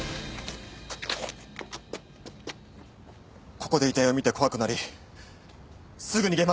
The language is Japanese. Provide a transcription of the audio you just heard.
ここで遺体を見て怖くなりすぐ逃げました。